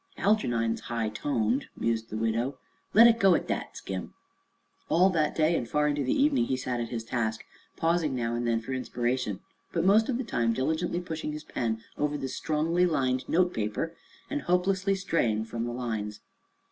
"Algernon's high toned," mused the widow. "Let it go at that, Skim." All that day and far into the evening he sat at his task, pausing now and then for inspiration, but most of the time diligently pushing his pen over the strongly lined note paper and hopelessly straying from the lines.